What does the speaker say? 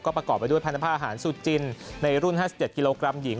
ประกอบไปด้วยพันธภาหารสุจินในรุ่น๕๗กิโลกรัมหญิง